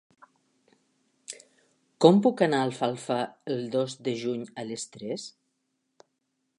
Com puc anar a Alfafar el dos de juny a les tres?